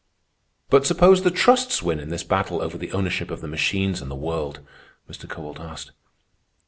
"But suppose the trusts win in this battle over the ownership of the machines and the world?" Mr. Kowalt asked.